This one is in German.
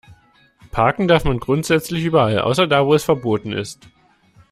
Parken darf man grundsätzlich überall, außer da, wo es verboten ist.